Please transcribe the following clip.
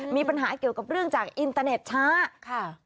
มีปัญหาเกี่ยวกับเรื่องจากอินเตอร์เน็ตช้าค่ะ